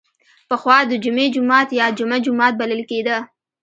پخوا د جمعې جومات یا جمعه جومات بلل کیده.